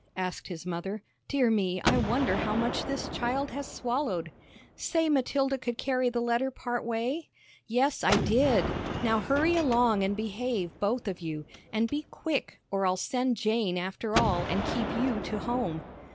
asked his mother. "Dear me, I wonder how much this child has swallowed." "Say Matilda could carry the letter part way?" "Yes, I did. Now hurry along an' behave, both of you. An' be quick, or I'll send Jane after all, and keep you to home."